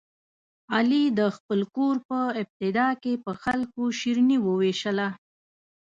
علي د خپل کور په ابتدا کې په خلکو شیریني ووېشله.